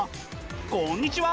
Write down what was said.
こんにちは！